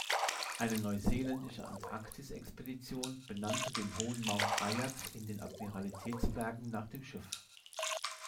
Eine neuseeländische Antarktis-Expedition benannte den hohen Mount Ajax in den Admiralitätsbergen nach dem Schiff.